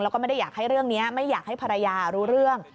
แล้วก็ไม่ได้อยากให้เรื่องนี้ไม่อยากให้ภรรยารู้เรื่อง